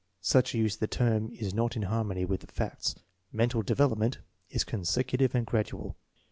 Such a use of the term is not in harmony with the facts. Mental development is consecutive and gradual.